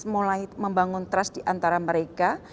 mulai membangun trust diantara mereka